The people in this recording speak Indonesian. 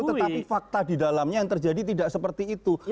tetapi fakta di dalamnya yang terjadi tidak seperti itu